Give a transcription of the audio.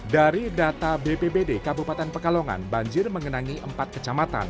dari data bpbd kabupaten pekalongan banjir mengenangi empat kecamatan